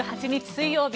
水曜日